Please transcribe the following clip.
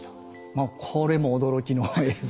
もうこれも驚きの映像。